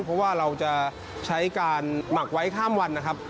เพราะว่าเราจะใช้การหมักไว้ข้ามวันนะครับ